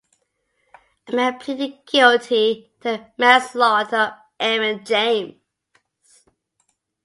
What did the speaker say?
A man pleaded guilty to the manslaughter of Aaron James.